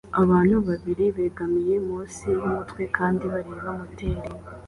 Abantu babiri begamiye munsi yumutwe kandi bareba moteri